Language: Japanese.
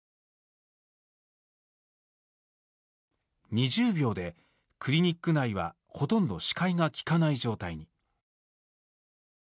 ２０秒で、クリニック内はほとんど視界が利かない状態に。